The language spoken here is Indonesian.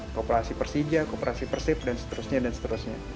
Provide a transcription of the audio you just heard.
kooperasi persija kooperasi persif dan seterusnya